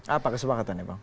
apa kesepakatan ya bang